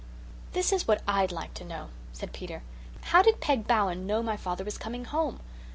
"This is what I'D like to know," said Peter. "How did Peg Bowen know my father was coming home?